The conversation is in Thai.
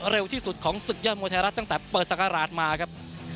เร็วที่สุดของศึกยอดมวยไทยรัฐตั้งแต่เปิดศักราชมาครับ